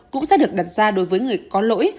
cũng sẽ được đặt ra đối với người có lỗi